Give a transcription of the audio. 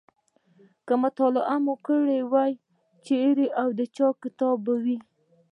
که مو مطالعه کړي وي چیرې او د چا کتابونه وو.